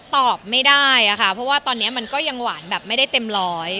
ตอบไม่ได้อะค่ะเพราะว่าตอนนี้มันก็ยังหวานแบบไม่ได้เต็มร้อย